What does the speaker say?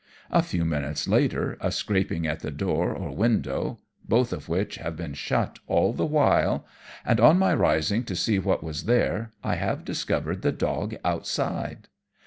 A few minutes later a scraping at the door or window both of which have been shut all the while and on my rising to see what was there, I have discovered the dog outside!